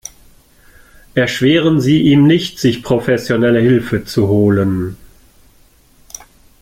Erschweren Sie ihm nicht, sich professionelle Hilfe zu holen.